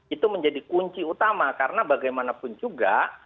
itu menjadi kunci utama karena bagaimanapun juga